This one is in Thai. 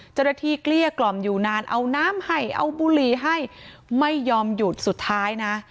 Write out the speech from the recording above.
เกลี้ยกล่อมอยู่นานเอาน้ำให้เอาบุหรี่ให้ไม่ยอมหยุดสุดท้ายนะ